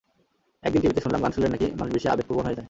একদিন টিভিতে শুনলাম, গান শুনলে নাকি মানুষ বেশি আবেগপ্রবণ হয়ে যায়।